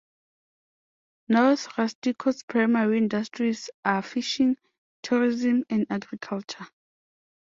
North Rustico's primary industries are fishing, tourism and agriculture.